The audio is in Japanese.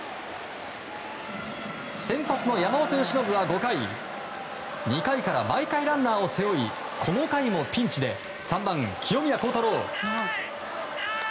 先発の山本由伸は５回２回から毎回ランナーを背負いこの回もピンチで３番、清宮幸太郎。